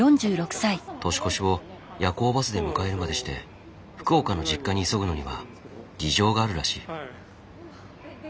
年越しを夜行バスで迎えるまでして福岡の実家に急ぐのには事情があるらしい。